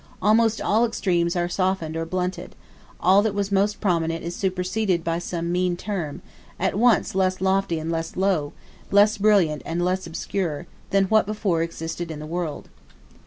Almost all extremes are softened or blunted: all that was most prominent is superseded by some mean term, at once less lofty and less low, less brilliant and less obscure, than what before existed in the world.